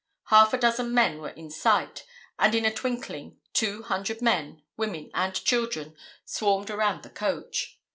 Half a dozen men were in sight, and in a twinkling two hundred men, women and children swarmed around the coach.